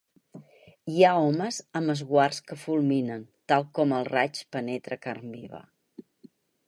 Hi ha homes amb esguards que fulminen, tal com el raig penetra carn viva.